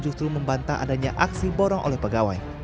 justru membantah adanya aksi borong oleh pegawai